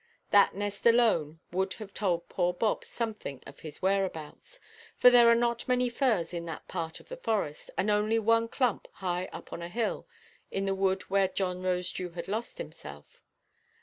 That nest alone would have told poor Bob something of his whereabouts; for there are not many firs in that part of the forest, and only one clump, high up on a hill, in the wood where John Rosedew had lost himself.